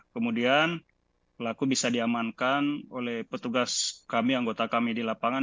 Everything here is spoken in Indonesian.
kemudian pelaku bisa diamankan oleh petugas kami anggota kami di lapangan